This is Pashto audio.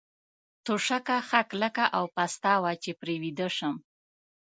توشکه ښه کلکه او پسته وه، چې پرې ویده شم.